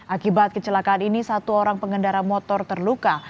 akibat kecelakaan ini satu orang pengendara motor terluka